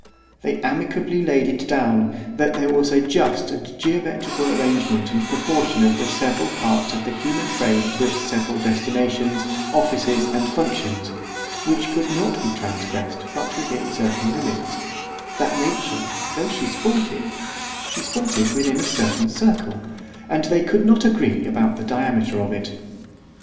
They amicably laid it down, that there was a just and geometrical arrangement and proportion of the several parts of the human frame to its several destinations, offices, and functions, which could not be transgressed but within certain limits—that nature, though she sported——she sported within a certain circle;—and they could not agree about the diameter of it.